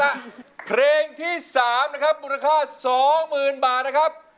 และเพลงที่๓นะครับมูลค่า๒๐๐๐บาทนะครับ